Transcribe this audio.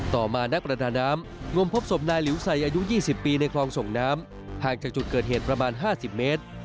ต่อมานักประดาน้ำงมพบศพนายหลิวใส่อายุ๒๐ปีในคลองส่งน้ำห่างจากจุดเกิดเหตุประมาณ๕๐เมตร